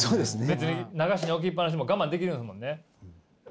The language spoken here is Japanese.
別に流しに置きっ放しでも我慢できるんですもんね？